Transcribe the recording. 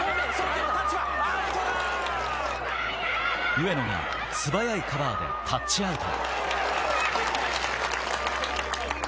上野が素早いカバーでタッチアウト。